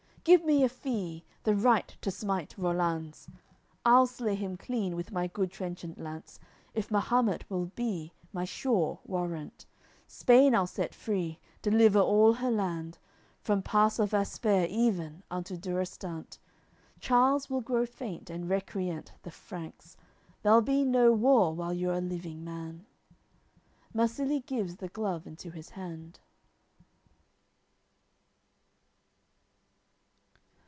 Give me a fee: the right to smite Rollanz! I'll slay him clean with my good trenchant lance, If Mahumet will be my sure warrant; Spain I'll set free, deliver all her land From Pass of Aspre even unto Durestant. Charles will grow faint, and recreant the Franks; There'll be no war while you're a living man." Marsilie gives the glove into his hand.